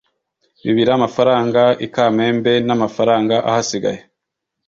bibiri amafaranga i kamembe n amafaranga ahasigaye